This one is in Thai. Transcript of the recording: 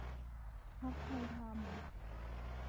พรรคไทยธรรม